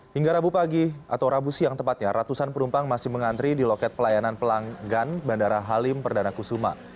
hingga rabu pagi atau rabu siang tepatnya ratusan penumpang masih mengantri di loket pelayanan pelanggan bandara halim perdana kusuma